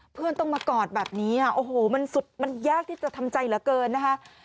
เพื่อนต้องมากอดแบบนี้โอ้โหมันสุดมันยากที่จะทำใจเหลือเกินนะคะ